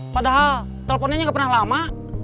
padahal teleponnya nggak pernah lama